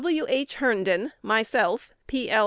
"W. H. Herndon, myself, P. L.